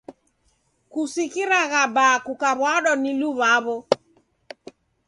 Kusikiragha baa kukaw'adwa ni luw'aw'o.